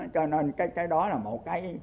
cho nên cái đó là một cái